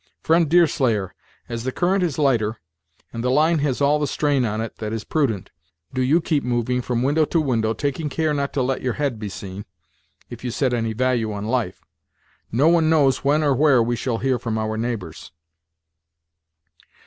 Friend Deerslayer, as the current is lighter, and the line has all the strain on it that is prudent, do you keep moving from window to window, taking care not to let your head be seen, if you set any value on life. No one knows when or where we shall hear from our neighbors."